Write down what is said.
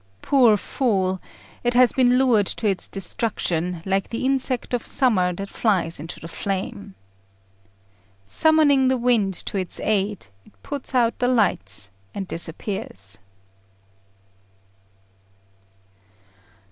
Poor fool! it has been lured to its destruction, like the insect of summer that flies into the flame. Summoning the winds to its aid, it puts out the lights, and disappears.